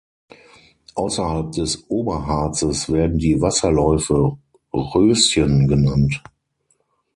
Außerhalb des Oberharzes werden die Wasserläufe Röschen genannt.